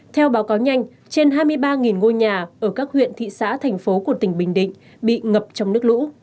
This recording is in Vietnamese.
theo báo cáo nhanh trên hai mươi ba ngôi nhà ở các huyện thị xã thành phố của tỉnh bình định bị ngập trong nước lũ